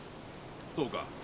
そうか。